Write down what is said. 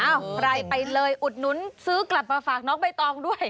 อ้าวไลน์ไปเลยอุดนุ้นซื้อกลับมาฝากน้องใบทองด้วย